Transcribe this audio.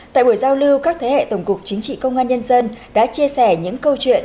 tại buổi giao lưu các thế hệ tổng cục chính trị công an nhân dân đã chia sẻ những câu chuyện